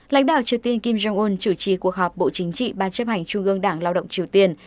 lãnh đạo triều tiên kim jong un chủ trì cuộc họp bộ chính trị ban chấp hành trung ương đảng lao động triều tiên